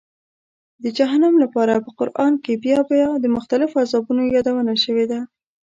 د جهنم لپاره په قرآن کې بیا بیا د مختلفو عذابونو یادونه شوې ده.